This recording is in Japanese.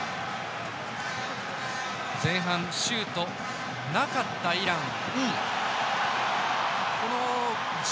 前半、シュート、なかったイラン。